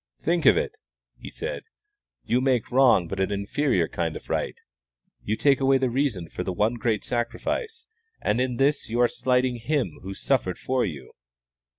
"Think of it," he said; "you make wrong but an inferior kind of right. You take away the reason for the one great Sacrifice, and in this you are slighting Him who suffered for you."